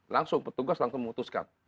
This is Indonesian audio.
langsung petugas langsung memutuskan